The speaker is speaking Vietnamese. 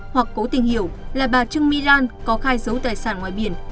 hoặc cố tình hiểu là bà trưng my lan có khai dấu tài sản ngoài biển